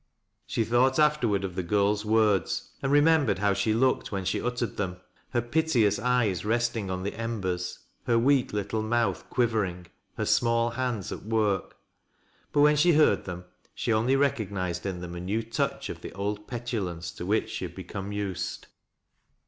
She thought afterward of the girl's words and remem bered how she looked when she uttered them,— her piteous oyes resting on the embers, htr weak little mouth (juivor ing, her smal hands at woik, — but when she hearo them, she only recognized in them a new toiuh of the old petulance to which she had become used.